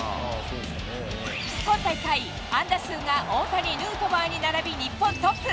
今大会、安打数が大谷、ヌートバーに並び、日本トップ。